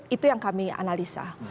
itu yang kami analisa